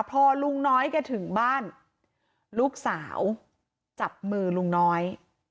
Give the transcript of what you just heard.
พอลุงน้อยแกถึงบ้านลูกสาวจับมือลุงน้อย